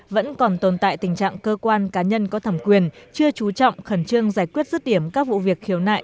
vẫn còn tồn tại tình trạng cơ quan cá nhân có thẩm quyền chưa trú trọng khẩn trương giải quyết rứt điểm các vụ việc khiếu nại